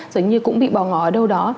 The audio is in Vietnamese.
giống như cũng bị bỏ ngỏ ở đâu đó